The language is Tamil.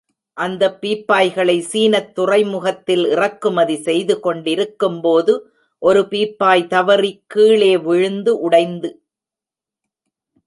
அந்த பீப்பாய்களை சீனத் துறைமுகத்தில் இறக்குமதி செய்து கொண்டிருக்கும்போது ஒரு பீப்பாய் தவறி கீழே விழுந்து உடைந்து.